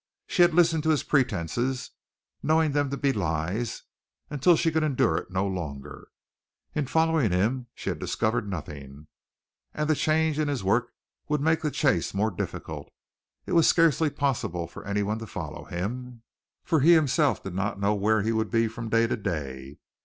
She had listened to his pretences, knowing them to be lies, until she could endure it no longer. In following him she had discovered nothing, and the change in his work would make the chase more difficult. It was scarcely possible for anyone to follow him, for he himself did not know where he would be from day to day.